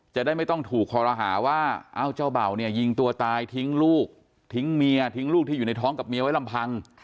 จะได้ไม่ต้องถูกคอรหาว่าเอ้าเจ้าเบ่าเนี่ยยิงตัวตายทิ้งลูกทิ้งเมียทิ้งลูกที่อยู่ในท้องกับเมียไว้ลำพัง